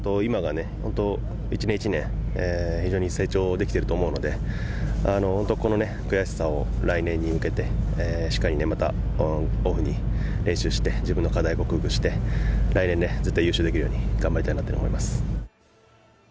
一年一年、非常に成長できていると思うので、この悔しさを来年に向けて、しっかりオフに練習して、自分の課題を克服して、来年、絶対優勝できるように頑張りたいと思います。